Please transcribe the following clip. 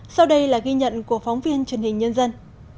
sau đây là ghi nhận của phóng viên truyền hình nhân dân